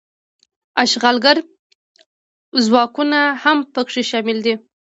اشغالګر ځواکونه هم پکې شامل دي.